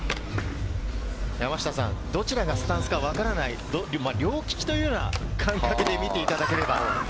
山下さん、どちらがスタンスかわからない、両利きというような感覚で見ていただければ。